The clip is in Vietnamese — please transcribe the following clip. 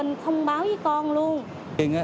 mình thông báo với con luôn